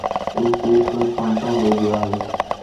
وہ سوکھ کر کانٹا ہو گیا ہے